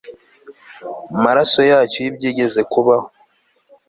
maraso yacu y'ibyigeze kubaho